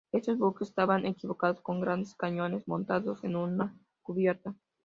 Estos buques estaban equipados con grandes cañones, montados en una cubierta.